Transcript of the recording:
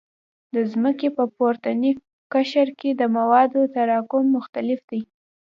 د ځمکې په پورتني قشر کې د موادو تراکم مختلف دی